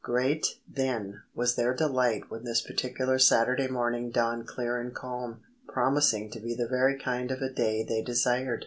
Great, then, was their delight when this particular Saturday morning dawned clear and calm, promising to be the very kind of a day they desired.